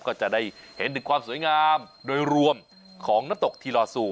ก็จะได้เห็นถึงความสวยงามโดยรวมของนักตกทีลอซู